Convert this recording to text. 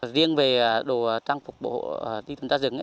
riêng về đồ trang phục bộ đi tuần tra rừng